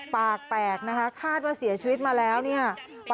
ปากแตกนะคะคาดว่าเสียชีวิตมาแล้วเนี่ย